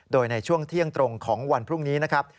โดยในช่วงเที่ยงตรงของวันพรุ่งนี้นะครับ